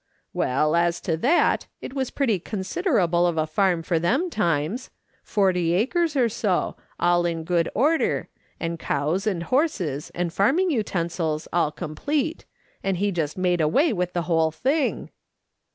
" Well, as to that, it was pretty considerable of a farm for them times. Forty acres or so, all in good order, and cows and horses, and farming utensils, all complete, and he just made away with the whole thing."